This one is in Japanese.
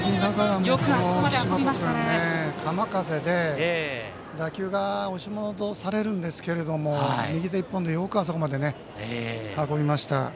浜風で打球が押し戻されるんですけれども右手１本でよくあそこまで運びました。